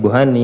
ada juga dari